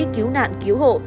cứu nạn cứu hộ